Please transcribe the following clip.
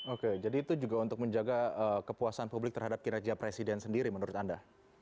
oke jadi itu juga untuk menjaga kepuasan publik terhadap kinerja presiden sendiri menurut anda